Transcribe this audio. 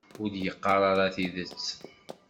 Ur d-yeqqar ara tidet.